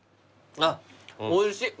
あっおいしい。